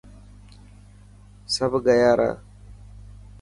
سڀ گيا را.